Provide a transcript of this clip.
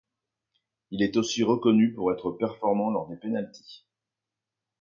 Il est aussi reconnu pour être performant lors des penaltys.